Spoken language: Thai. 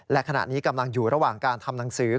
และขณะนี้กำลังอยู่ระหว่างการทำหนังสือ